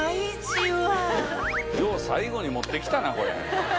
よう最後に持って来たなこれ。